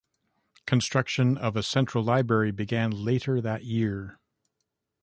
Construction of a Central Library began later that year.